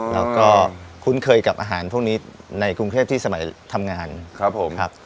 แล้วก็คุ้นเคยกับอาหารพวกนี้ในกรุงเทพที่สมัยทำงานครับผม